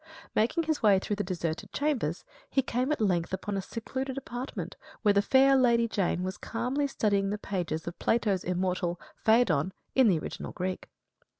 Making his way through the deserted chambers, he came at length upon a secluded apartment, where the fair Lady Jane was calmly studying the pages of Plato's immortal "Phædon" in the original Greek.